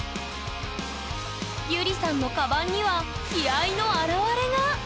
ゆりさんのカバンには気合いの表れが！